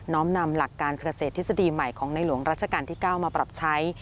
้อมนำหลักการเกษตรทฤษฎีใหม่ของในหลวงรัชกาลที่๙มาปรับใช้